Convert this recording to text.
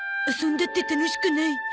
遊んだって楽しくない。